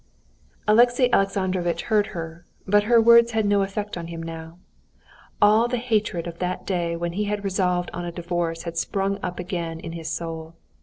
Alexey Alexandrovitch heard her, but her words had no effect on him now. All the hatred of that day when he had resolved on a divorce had sprung up again in his soul.